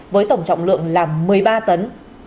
với tổng trọng lượng là một mươi ba tấn